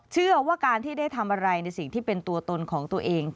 เชื่อว่าการที่ได้ทำอะไรในสิ่งที่เป็นตัวตนของตัวเอง